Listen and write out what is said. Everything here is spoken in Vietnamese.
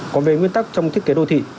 còn về nguyên tắc trong thiết kế đô thị